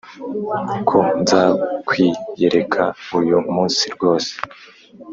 ko nza kumwiyereka uyu munsi rwose